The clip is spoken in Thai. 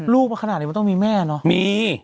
ลูกมาขนาดนี้มันต้องมีแม่เนอะ